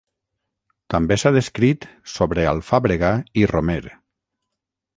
També s'ha descrit sobre alfàbrega i romer.